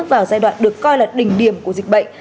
vào giai đoạn được coi là đỉnh điểm của dịch bệnh